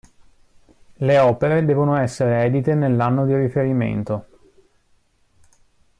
Le opere devono essere edite nell'anno di riferimento.